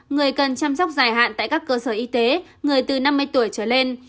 người cần chăm sóc dài hạn tại các cơ sở y tế người từ năm mươi tuổi trở lên